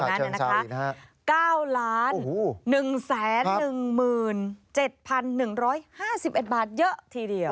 ๙๑๑๗๑๕๑บาทเยอะทีเดียว